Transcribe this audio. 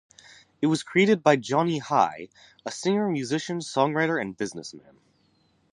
It was created by Johnnie High, a singer, musician, songwriter and businessman.